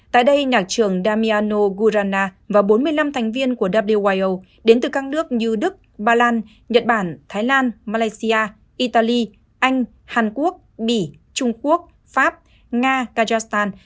tại đây nhạc trưởng damiano gurana và bốn mươi năm thành viên của wyo đến từ các nước như đức bà lan nhật bản thái lan malaysia italy anh hàn quốc mỹ trung quốc pháp nga kazakhstan